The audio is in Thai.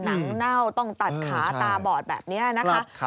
เน่าต้องตัดขาตาบอดแบบนี้นะคะ